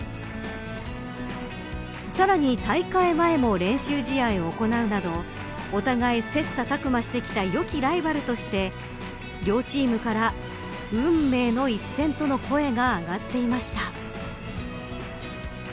さらに、大会前も練習試合を行うなどお互い切磋琢磨してきた良きライバルとして両チームから、運命の一戦との声が上がっていました。